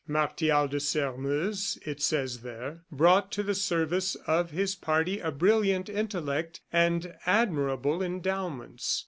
"Martial de Sairmeuse," it says there, "brought to the service of his party a brilliant intellect and admirable endowments.